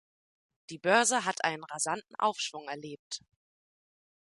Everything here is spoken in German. Die Börse hat einen rasanten Aufschwung erlebt.